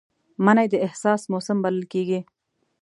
مني د احساس موسم بلل کېږي